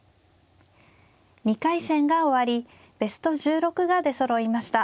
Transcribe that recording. ２回戦が終わりベスト１６が出そろいました。